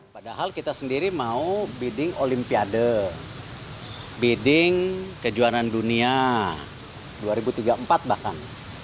padahal kita sendiri mau bidding olimpiade bidding kejuaraan dunia dua ribu tiga puluh empat bahkan